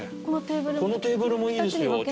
このテーブルもいいですよ。